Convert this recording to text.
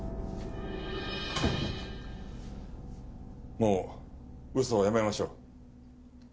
もう嘘はやめましょう。